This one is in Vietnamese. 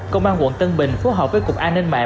công an quận tân bình phối hợp với cục an ninh mạng